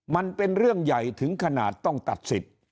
มันเป็นเรื่องใหญ่ถึงขนาดต้องตัดสิทธิ์